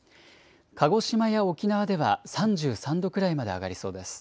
鹿児島や沖縄では３３度くらいまで上がりそうです。